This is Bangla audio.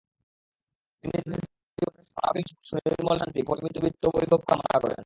তিনি তাঁদের জীবনের সাফল্য, অনাবিল সুখ, সুনির্মল শান্তি, পরিমিত বিত্ত-বৈভব কামনা করেন।